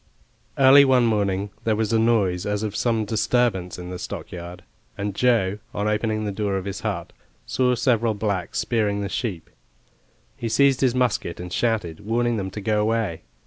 Early one morning there was a noise as of some disturbance in the stockyard, and Joe, on opening the door of his hut, saw several blacks spearing the sheep. He seized his musket and shouted, warning them to go away.